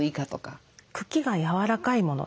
茎が柔らかいもの